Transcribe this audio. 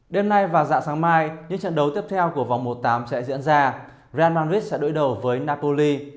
đêm nay và dạng sáng mai những trận đấu tiếp theo của vòng một tám sẽ diễn ra ren madrid sẽ đối đầu với napoli